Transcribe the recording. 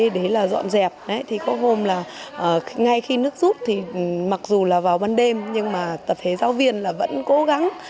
đấy là dọn dẹp thì có gồm là ngay khi nước rút thì mặc dù là vào ban đêm nhưng mà tập thể giáo viên là vẫn cố gắng